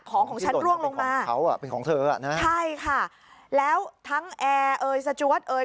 ของของฉันร่วงลงมาใช่ค่ะแล้วทั้งแอร์เอ๋ยสจ๊วตเอ๋ย